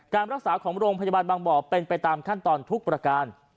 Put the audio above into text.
การรักษาของโรงพยาบาลบางบ่อเป็นไปตามขั้นตอนทุกประการ